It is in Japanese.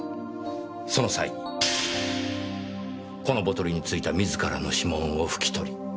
その際にこのボトルに付いた自らの指紋を拭き取り